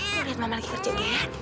tuh liat mama lagi kerja ya